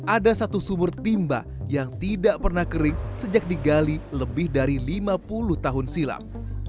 ada satu sumur timba yang tidak pernah kering sejak digali lebih dari lima puluh tahun silam